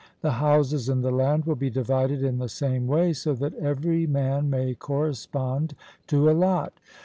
The houses and the land will be divided in the same way, so that every man may correspond to a lot.